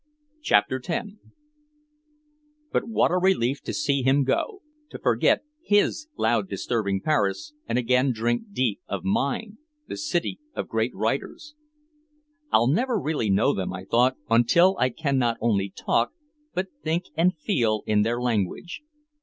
CHAPTER X But what a relief to see him go, to forget his loud disturbing Paris and again drink deep of mine, the city of great writers. "I'll never really know them," I thought, "until I can not only talk but think and feel in their language."